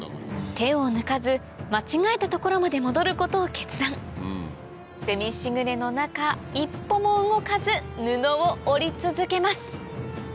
手を抜かず間違えた所まで戻ることを決断セミ時雨の中一歩も動かず布を織り続けます